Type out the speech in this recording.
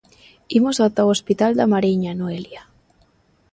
Imos ata o hospital da Mariña, Noelia.